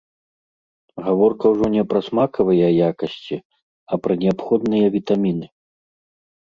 Гаворка ўжо не пра смакавыя якасці, а пра неабходныя вітаміны.